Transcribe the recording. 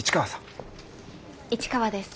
市川です。